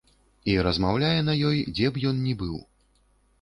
І размаўляе на ёй, дзе б ён ні быў.